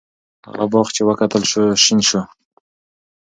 هغه باغ چې وکتل شو، شین و.